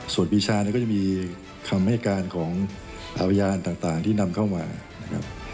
ส่วนปีชาเนี่ยก็จะมีคำให้การของพยานต่างที่นำเข้ามานะครับ